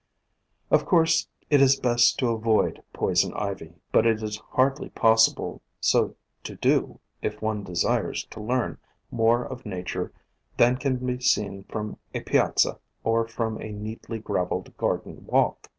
Of course it is best to avoid Poison Ivy, but it is hardly possible so to do if one desires to learn more of nature than can be seen from a piazza or from a neatly graveled garden walk.